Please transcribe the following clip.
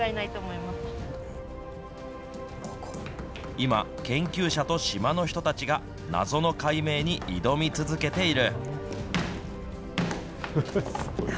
今、研究者と島の人たちが謎の解明に挑み続けている。